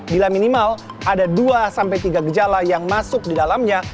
bila minimal ada dua sampai tiga gejala yang masuk di dalamnya